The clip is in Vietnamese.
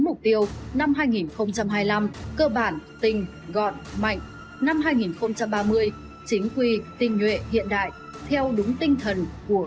mục tiêu năm hai nghìn hai mươi năm cơ bản tình gọn mạnh năm hai nghìn ba mươi chính quy tinh nhuệ hiện đại theo đúng tinh thần của